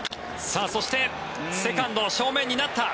そして、セカンド正面になった。